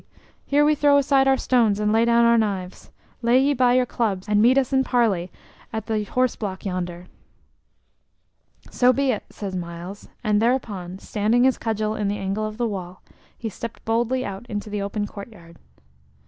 here we throw aside our stones and lay down our knives. Lay ye by your clubs, and meet us in parley at the horse block yonder." "So be it," said Myles, and thereupon, standing his cudgel in the angle of the wall, he stepped boldly out into the open court yard.